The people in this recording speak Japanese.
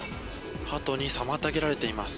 ハトに妨げられています。